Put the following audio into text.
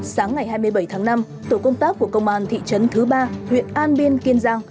sáng ngày hai mươi bảy tháng năm tổ công tác của công an thị trấn thứ ba huyện an biên kiên giang